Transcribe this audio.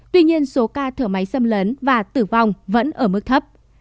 tuy nhiên số ca thở máy xâm lấn và tử vong vẫn ở mức thấp